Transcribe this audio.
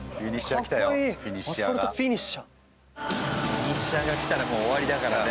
フィニッシャーが来たらもう終わりだからね。